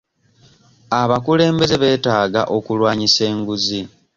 Abakulembeze beetaaga okulwanyisa enguzi.